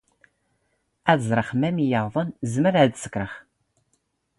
ⵔⴰⴷ ⵥⵕⵖ ⵎⴰⵎⵉ ⵢⴰⴹⵏ ⵣⵎⵔ ⴰⴷ ⵜ ⵙⴽⵔⵖ.